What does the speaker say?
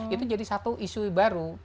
itu jadi satu isu baru